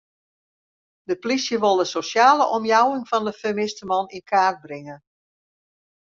De plysje wol de sosjale omjouwing fan de fermiste man yn kaart bringe.